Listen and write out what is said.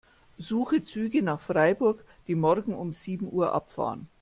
Suche Züge nach Freiburg, die morgen um sieben Uhr abfahren.